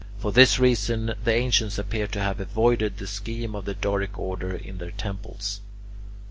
For this reason, the ancients appear to have avoided the scheme of the Doric order in their temples.